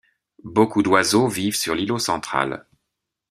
Beaucoup d'oiseaux vivent sur l'îlot central.